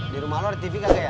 di rumah lo ada tv katanya ya